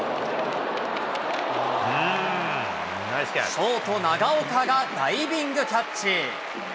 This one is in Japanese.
ショート、長岡がダイビングキャッチ。